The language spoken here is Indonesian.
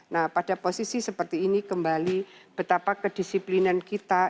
nah pada posisi seperti ini kembali betapa kedisiplinan kita